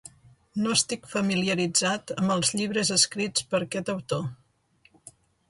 No estic familiaritzat amb els llibres escrits per aquest autor.